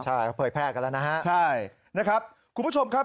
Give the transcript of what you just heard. ใช่เขาเผยแพร่กันแล้วนะฮะใช่นะครับคุณผู้ชมครับ